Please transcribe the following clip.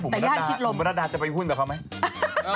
หมุมบรรดาหมุมบรรดาจะไปหุ้นกับเขาไหม